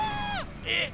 えっ⁉